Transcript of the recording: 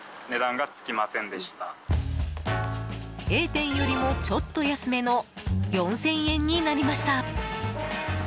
Ａ店よりもちょっと安めの４０００円になりました。